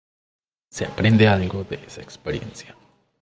Se aprende algo de esa experiencia.